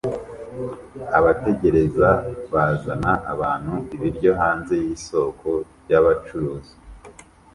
Abategereza bazana abantu ibiryo hanze yisoko ryabacuruzi